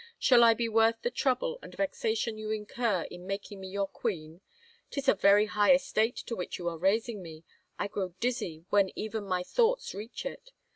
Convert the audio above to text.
Shall I be worth the trouble and vexation you incur in making me your queen ?... 'Tis a very high estate to which you are raising me. I grow dizzy when even my thoughts reach it.